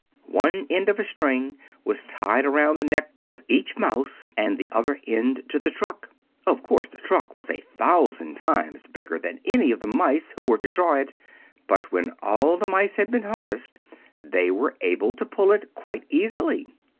One end of a string was tied around the neck of each mouse and the other end to the truck. Of course the truck was a thousand times bigger than any of the mice who were to draw it; but when all the mice had been harnessed, they were able to pull it quite easily.